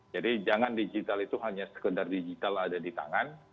jadi jangan digital itu hanya sekedar digital ada di tangan